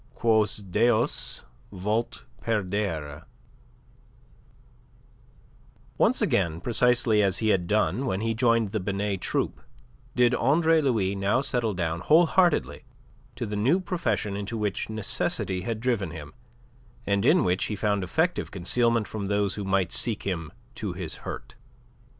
QUOS DEUS VULT PERDERE Once again, precisely as he had done when he joined the Binet troupe, did Andre Louis now settle down whole heartedly to the new profession into which necessity had driven him, and in which he found effective concealment from those who might seek him to his hurt.